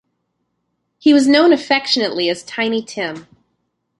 He was known affectionately as 'Tiny Tim'.